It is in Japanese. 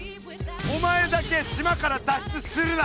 お前だけ島から脱出するな！